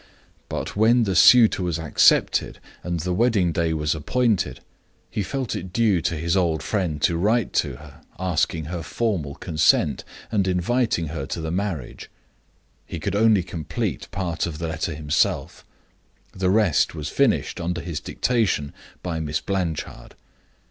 But when the suitor was accepted, and the wedding day was appointed, he felt it due to his old friend to write to her, asking her formal consent and inviting her to the marriage. He could only complete part of the letter himself; the rest was finished, under his dictation, by Miss Blanchard.